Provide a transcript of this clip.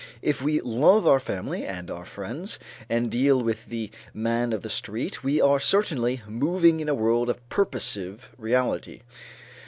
If we love our family and like our friends, and deal with the man of the street, we are certainly moving in a world of purposive reality.